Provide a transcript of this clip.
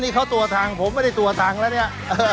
นี่เขาตัวทางผมไม่ได้ตัวทางแล้วเนี่ย